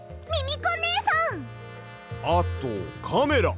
あと「カメラ」。